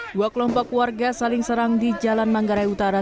dua kelompok warga saling serang di jalan manggarai utara